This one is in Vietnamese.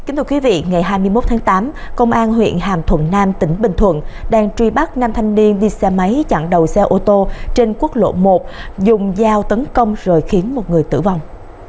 kính thưa quý vị ngày hai mươi một tháng tám công an huyện hàm thuận nam tỉnh bình thuận đang truy bắt năm thanh niên đi xe máy chặn đầu xe ô tô trên quốc lộ một dùng dao tấn công rồi khiến một người tử vong